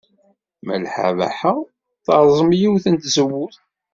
Malḥa Baḥa terẓem yiwet n tzewwut.